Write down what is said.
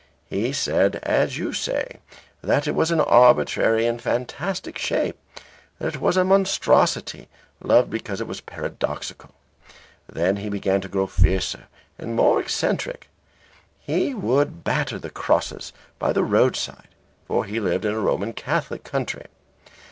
He said, as you say, that it was an arbitrary and fantastic shape, that it was a monstrosity, loved because it was paradoxical. Then he began to grow fiercer and more eccentric; he would batter the crosses by the roadside; for he lived in a Roman Catholic country.